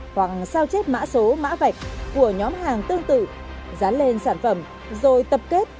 hoặc sao chép mã số mã vạch của nhóm hàng tương tự dán lên sản phẩm rồi tập kết